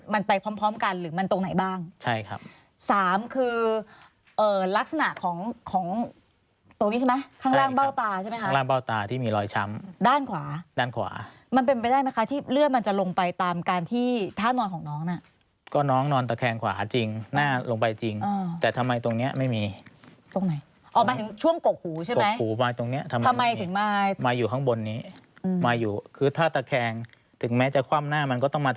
มันไปพร้อมพร้อมกันหรือมันตรงไหนบ้างใช่ครับสามคือเออลักษณะของของตรงนี้ใช่ไหมใช่ครับข้างล่างเบ้าตาใช่ไหมคะข้างล่างเบ้าตาที่มีรอยช้ำด้านขวาด้านขวามันเป็นไปได้ไหมคะที่เลือดมันจะลงไปตามการที่ท่านอนของน้องน่ะก็น้องนอนตะแคงขวาจริงหน้าลงไปจริงอ่าแต่ทำไมตรงเนี้ยไม่มีตรงไหนอ๋อ